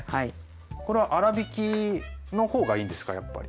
これは粗びきの方がいいんですかやっぱり。